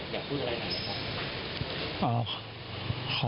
อยากพูดอะไรกัน